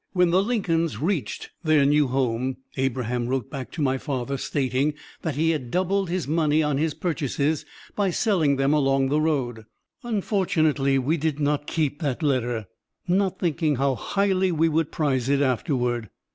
When the Lincolns reached their new home, Abraham wrote back to my father stating that he had doubled his money on his purchases by selling them along the road. Unfortunately we did not keep that letter, not thinking how highly we would prize it afterward."